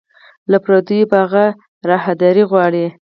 له پردیو به هغه راهداري غواړي